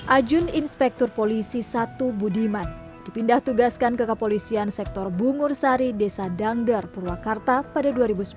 ajun inspektur polisi satu budiman dipindah tugaskan ke kepolisian sektor bungur sari desa dangder purwakarta pada dua ribu sepuluh